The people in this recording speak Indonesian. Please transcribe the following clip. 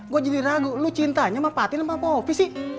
gue jadi ragu lu cintanya sama patin sama kopi sih